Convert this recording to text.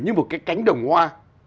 như một cái cánh đồng hoa